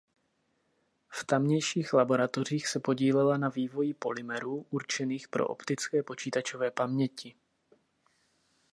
V tamějších laboratořích se podílela na vývoji polymerů určených pro optické počítačové paměti.